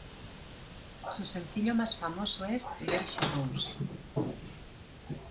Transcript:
Su sencillo más famoso es "There She Goes".